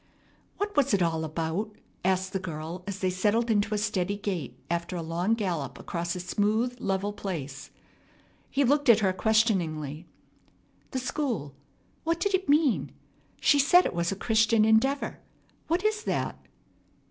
"What was it all about?" asked the girl as they settled into a steady gait after a long gallop across a smooth level place. He looked at her questioningly. "The school. What did it mean? She said it was a Christian Endeavor. What is that?"